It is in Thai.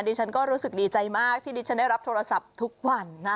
ฉันก็รู้สึกดีใจมากที่ดิฉันได้รับโทรศัพท์ทุกวันนะ